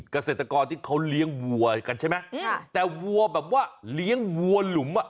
เกษตรกรที่เขาเลี้ยงวัวกันใช่ไหมแต่วัวแบบว่าเลี้ยงวัวหลุมอ่ะ